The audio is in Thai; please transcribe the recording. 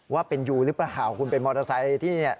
ว่าเป็นยูหรือเปล่าคุณเป็นมอเตอร์ไซค์ที่